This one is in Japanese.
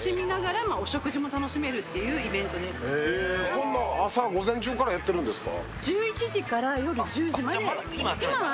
こんな午前中からやってるんですか。